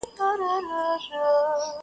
لاس مو تل د خپل ګرېوان په وینو سور دی!